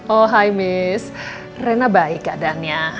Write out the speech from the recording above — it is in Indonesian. oh hai miss rena baik keadaannya